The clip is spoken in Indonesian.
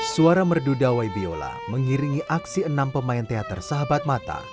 suara merduda wabiola mengiringi aksi enam pemain teater sahabat mata